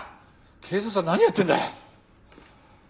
警察は何やってんだ！？